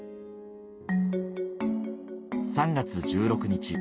３月１６日